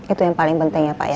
itu yang paling penting ya pak ya